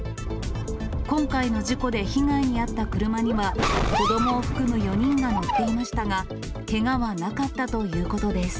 今回の事故で被害に遭った車には、子どもを含む４人が乗っていましたが、けがはなかったということです。